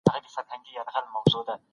پوهه هيڅ پوله نه لري.